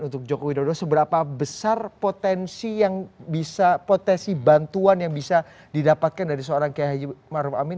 untuk jokowi dodo seberapa besar potensi yang bisa potensi bantuan yang bisa didapatkan dari seorang kiai haji maruf amin